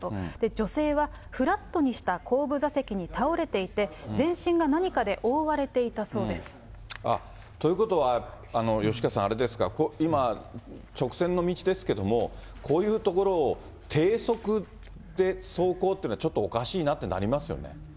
女性はフラットにした後部座席に倒れていて、全身が何かで覆われということは、吉川さん、あれですか、今、直線の道ですけども、こういう所を低速で走行っていうのはちょっとおかしいなってなりますよね。